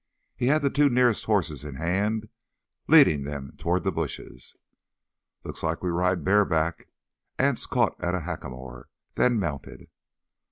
He had the two nearest horses in hand, leading them toward the bushes. "Looks like we ride bareback." Anse caught at a hackamore, then mounted.